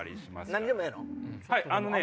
何でもええの？